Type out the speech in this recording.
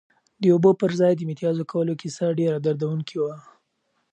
د اوبو پر ځای د متیازو کولو کیسه ډېره دردونکې وه.